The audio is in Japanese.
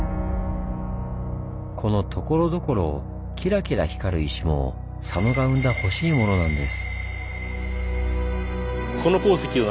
このところどころキラキラ光る石も佐野が生んだ「ほしいモノ」なんです。